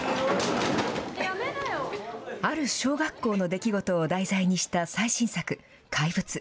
ある小学校の出来事を題材にした最新作、怪物。